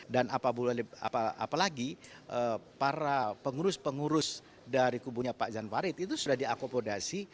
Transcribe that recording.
dan apalagi para pengurus pengurus dari kubunya pak jan farid itu sudah diakobodasi